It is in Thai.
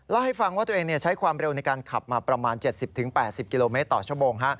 เล่าให้ฟังว่าตัวเองใช้ความเร็วในการขับมาประมาณ๗๐๘๐กิโลเมตรต่อชั่วโมง